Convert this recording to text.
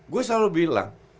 gue selalu bilang